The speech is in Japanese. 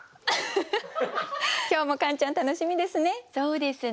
今日もカンちゃん楽しみですね。